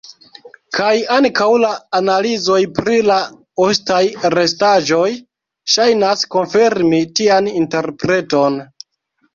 Kaj ankaŭ la analizoj pri la ostaj restaĵoj ŝajnas konfirmi tian interpreton.